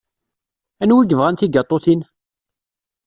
Anwi yebɣan tigaṭutin?